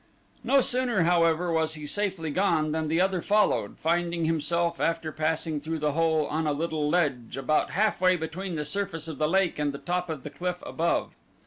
No sooner, however, was he safely gone than the other followed, finding himself, after passing through the hole, on a little ledge about halfway between the surface of the lake and the top of the cliff above.